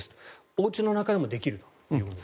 おうちの中でもできると。